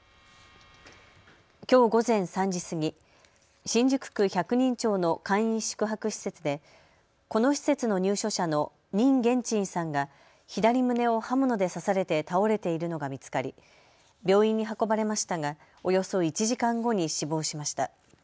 きょう午前３時過ぎ、新宿区百人町の簡易宿泊施設でこの施設の入所者の任元珍さんが左胸を刃物で刺されて倒れているのが見つかり病院に運ばれましたがおよそ１時間後に死亡しました。